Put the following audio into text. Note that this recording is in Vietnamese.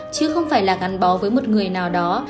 chứ không phải là gắn bó với một người nào đó